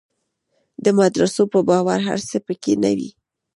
د مدرسو په باور هر څه په کې نه وي.